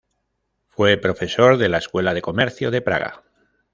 Fue profesor de la Escuela de Comercio de Praga.